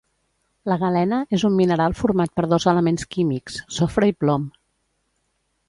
La galena és un mineral format per dos elements químics sofre i plom